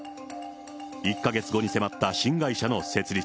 １か月後に迫った新会社の設立。